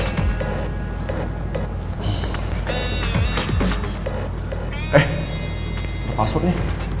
eh ada passwordnya